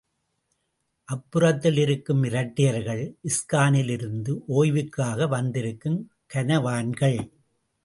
அப்புறத்தில் இருக்கும் இரட்டையர்கள் இஸ்கானிலிருந்து ஓய்வுக்காக வந்திருக்கும் கனவான்கள்.